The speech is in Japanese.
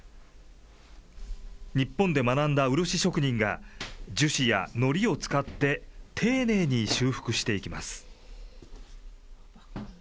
日本で学んだ漆職人が、樹脂やのりを使って丁寧に修復していきます。